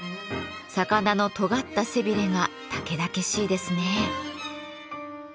魚のとがった背びれがたけだけしいですね。